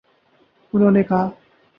انہوں نے کہا